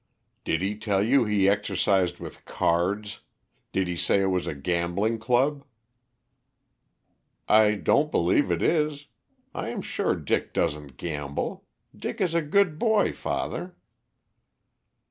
"Did he tell you he exercised with cards? Did he say it was a gambling club?" "I don't believe it is; I am sure Dick doesn't gamble. Dick is a good boy, father."